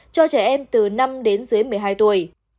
cho trẻ em từ năm đến dưới một mươi hai tuổi